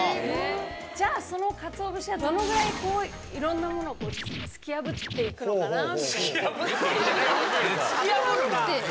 じゃあその鰹節はどのぐらいいろんなものを突き破って行くのかなみたいな。